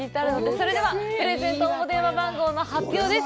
それでは、プレゼント応募電話番号の発表です。